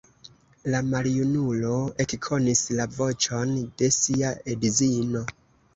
La maljunulo ekkonis la voĉon de sia edzino.